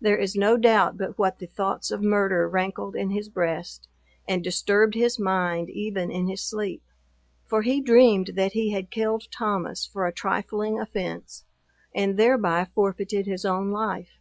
There is no doubt but what the thoughts of murder rankled in his breast, and disturbed his mind even in his sleep; for he dreamed that he had killed Thomas for a trifling offence, and thereby forfeited his own life.